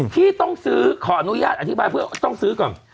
ที่ต้องซื้อขออนุญาตอธิบายเพื่อต้องซื้อก่อน